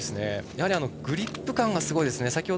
グリップ感がすごいですね。